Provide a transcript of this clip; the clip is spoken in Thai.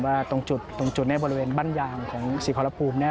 ว่าตรงจุดในบริเวณบั้นยางของศรีคอลภูมิ